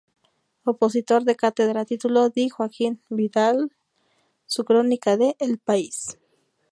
Opositor a cátedra título D. Joaquín Vidal su crónica de El País.